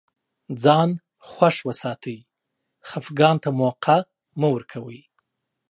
ځان خوښ وساتئ خفګان ته موقع مه ورکوی